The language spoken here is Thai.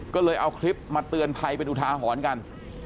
ก็เลยเอาคลิปมาเตือนภัยเป็นอุทาหรณ์กัน